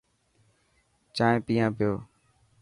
چائي پيان پيو.